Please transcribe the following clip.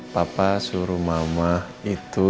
papa suruh mama itu